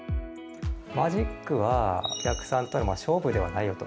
マジックはお客さんとの勝負ではないよと。